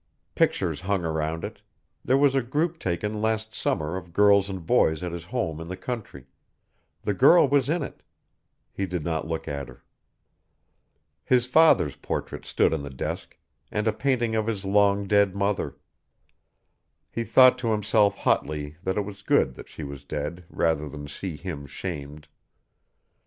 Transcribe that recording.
Pictures hung around it; there was a group taken last summer of girls and boys at his home in the country, the girl was in it he did not look at her. His father's portrait stood on the desk, and a painting of his long dead mother. He thought to himself hotly that it was good she was dead rather than see him shamed.